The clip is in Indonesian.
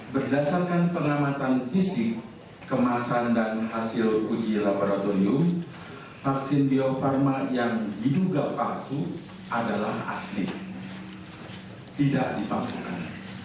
berdasarkan pengamatan fisik kemasan dan hasil uji laboratorium vaksin bio farma yang diduga palsu adalah asin tidak dipamerkan